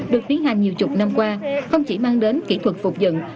được tiến hành nhiều chục năm qua không chỉ mang đến kỹ thuật phục dựng